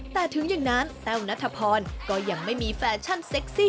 แต่ถึงอย่างนั้นแต้วนัทพรก็ยังไม่มีแฟชั่นเซ็กซี่